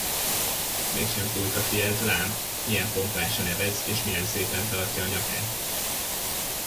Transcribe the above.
Mégsem pulykafi ez, lám, milyen pompásan evez, és milyen szépen tartja a nyakát!